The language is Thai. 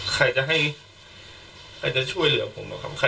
ใครจะช่วยเหลือผมเหรอครับ